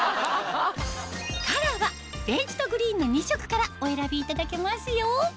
カラーはベージュとグリーンの２色からお選びいただけますよ